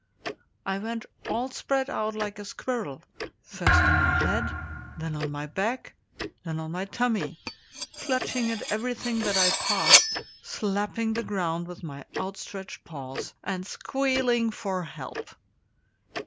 I went all spread out like a squirrel, first on my head, then on my back, then on my tummy, clutching at everything that I passed, slapping the ground with my outstretched paws, and squealing for help.